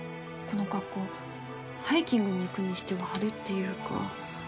この格好ハイキングに行くにしては派手っていうか。